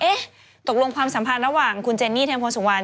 เอ๊ะตกลงความสัมพันธ์ระหว่างคุณเจนี่เทมโภสวัน